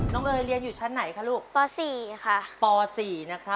น้องเอ๋ยเรียนอยู่ชั้นไหนคะลูก